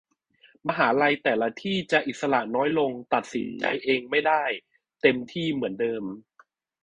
มหาลัยแต่ละที่จะอิสระน้อยลงตัดสินใจเองไม่ได้เต็มที่เหมือนเดิม